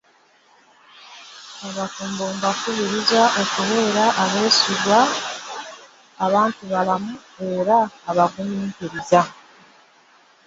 Abafumbo mbakubiriza okubeera abeesigwa, abantubalamu era abagumiikiriza.